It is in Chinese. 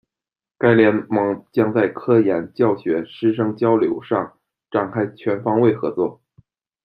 该联盟将在科研、教学、师生交流上展开全方位合作。